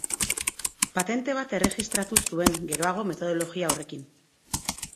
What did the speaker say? Patente bat erregistratu zuen geroago metodologia horrekin.